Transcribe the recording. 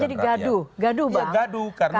tapi ini kan jadi gadu gadu bang